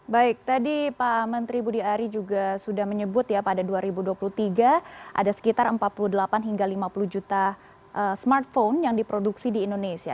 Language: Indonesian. baik tadi pak menteri budi ari juga sudah menyebut ya pada dua ribu dua puluh tiga ada sekitar empat puluh delapan hingga lima puluh juta smartphone yang diproduksi di indonesia